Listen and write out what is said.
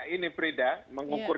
ini prida mengukur